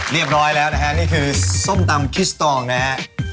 เรียบร้อยแล้วนะครับนี่คือส้มตำคิดสตองนะครับ